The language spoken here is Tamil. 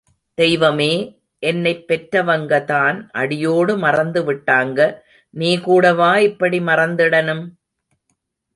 தெய்வமே, என்னைப் பெற்றவங்கதான் அடியோடு மறந்து விட்டாங்க – நீ கூடவா இப்படி மறந்திடணும்?